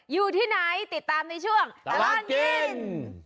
อยู่ที่ไหนติดตามในช่วงตลอดกิน